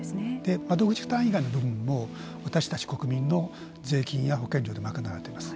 窓口負担以外の部分も私たち国民の税金や保険料で賄われています。